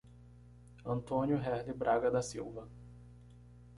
Antônio Herle Braga da Silva